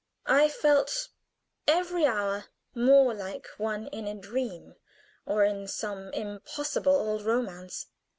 I felt every hour more like one in a dream or in some impossible old romance.